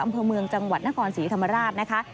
อำเภอเมืองจังหวัดนครศรีธรรมราชนะคะ